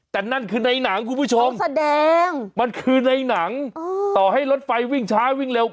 แต่นั่นคือในหนังคุณผู้ชมแสดงมันคือในหนังต่อให้รถไฟวิ่งช้าวิ่งเร็ว